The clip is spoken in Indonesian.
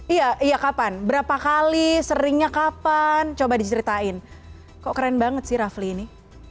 iya iya kapan berapa kali seringnya kapan coba diceritain kok keren banget sih rafli ini